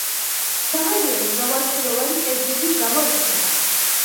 სამეგრელო მრავალფეროვანი კერძებით გამოირჩევა